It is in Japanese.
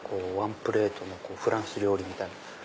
ワンプレートのフランス料理みたいなの。